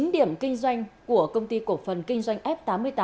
chín điểm kinh doanh của công ty cổ phần kinh doanh f tám mươi tám trên địa bàn tỉnh này